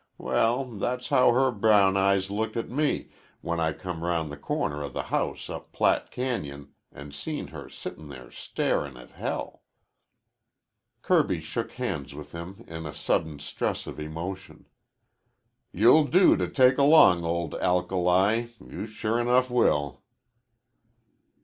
Well, that's how her brown eyes looked at me when I come round the corner o' the house up Platte Cañon an' seen her sittin' there starin' at hell." Kirby shook hands with him in a sudden stress of emotion. "You'll do to take along, old alkali, you sure enough will."